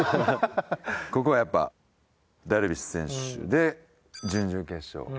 ここはやっぱダルビッシュ選手で準々決勝。